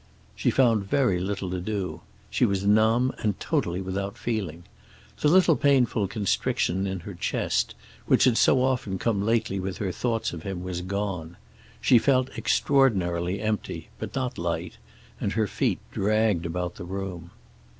She found very little to do. She was numb and totally without feeling. The little painful constriction in her chest which had so often come lately with her thoughts of him was gone. She felt extraordinarily empty, but not light, and her feet dragged about the room.